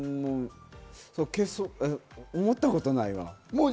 思ったことない。